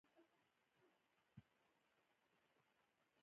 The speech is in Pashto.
افغانستان په پکتیا باندې تکیه لري.